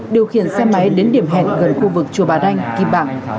điều khiển xe máy đến điểm hẹn gần khu vực chùa bà ranh kim bảng